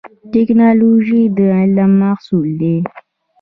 ټکنالوژي د علم محصول دی